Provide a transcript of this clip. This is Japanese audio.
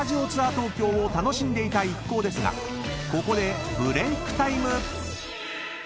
東京を楽しんでいた一行ですがここでブレークタイム］